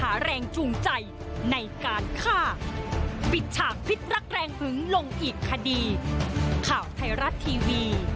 อ้าว